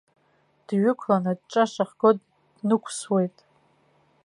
Дҩықәлан аҿҿа шахго днықәсуеит.